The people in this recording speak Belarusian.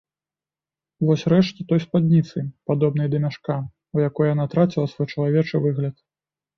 Вось рэшткі той спадніцы, падобнай да мяшка, у якой яна траціла свой чалавечы выгляд.